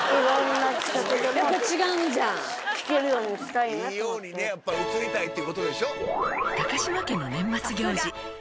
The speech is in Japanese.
いいようにねやっぱ映りたいってことでしょ？